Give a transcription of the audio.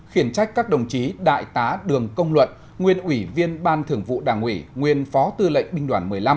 khiển trách các đồng chí đại tá đường công luận nguyên ủy viên ban thưởng vụ đảng ủy nguyên phó tư lệnh binh đoàn một mươi năm